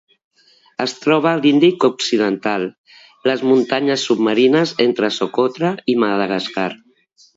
Es troba a l'Índic occidental: les muntanyes submarines entre Socotra i Madagascar.